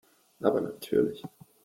Aber natürlich.